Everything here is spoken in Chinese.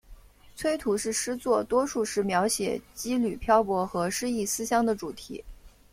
崔涂是诗作多数是描写羁旅漂泊和失意思乡的主题。